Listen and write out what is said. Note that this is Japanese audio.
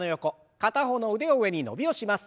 片方の腕を上に伸びをします。